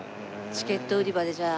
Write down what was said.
チケット売り場でじゃあ。